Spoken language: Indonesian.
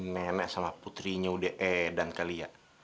nenek sama putrinya udah edan kali ya